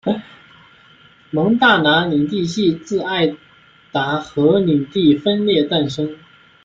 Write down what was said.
蒙大拿领地系自爱达荷领地分裂诞生。